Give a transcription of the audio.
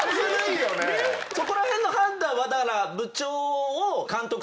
そこら辺の判断はだから。